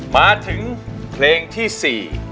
มาถึงเพลงที่๔